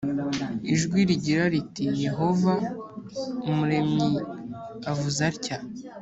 ijwi rigira riti yehova umuremyiavuze atya